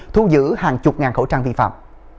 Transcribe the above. thu giữ hàng chục ngàn khẩu trang vi phạm